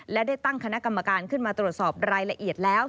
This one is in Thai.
และได้ตั้งคณะกรรมการขึ้นมาตรวจสอบรายละเอียดแล้ว